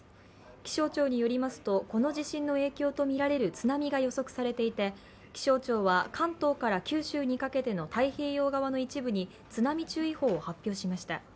気象庁によりますと、この地震の影響とみられる津波が予測されていて、気象庁は関東から九州にかけての太平洋側の一部に津波注意報を発表しました。